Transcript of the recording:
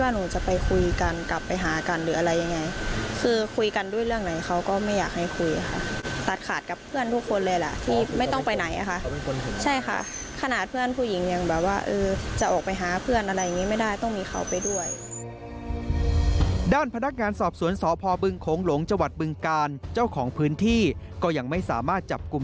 หนูจะไปคุยกันกลับไปหากันหรืออะไรยังไงคือคุยกันด้วยเรื่องไหนเขาก็ไม่อยากให้คุยค่ะตัดขาดกับเพื่อนทุกคนเลยล่ะที่ไม่ต้องไปไหนค่ะใช่ค่ะขนาดเพื่อนผู้หญิงอย่างแบบว่าจะออกไปหาเพื่อนอะไรอย่างนี้ไม่ได้ต้องมีเขาไปด้วยด้านพนักงานสอบสวนสพบึงโขงหลงจบึงกาลเจ้าของพื้นที่ก็ยังไม่สามารถจับกลุ่